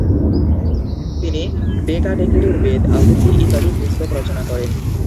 তিনি ‘’ডেকা-ডেকেরীর বেদ, আহুতি ইত্যাদি পুস্তক রচনা করেন।